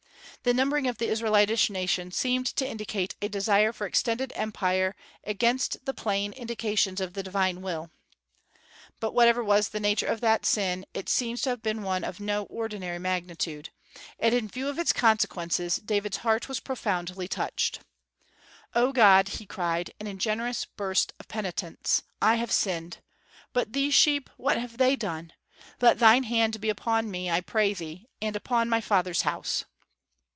The numbering of the Israelitish nation seemed to indicate a desire for extended empire against the plain indications of the divine will. But whatever was the nature of that sin, it seems to have been one of no ordinary magnitude; and in view of its consequences, David's heart was profoundly touched. "O God!" he cried, in a generous burst of penitence, "I have sinned. But these sheep, what have they done? Let thine hand be upon me, I pray thee, and upon my father's house!"